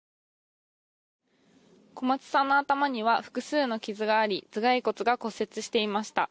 小松さんの頭には複数の傷があり頭蓋骨が骨折していました。